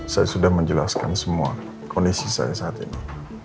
saya sudah menjelaskan semua kondisi saya saat ini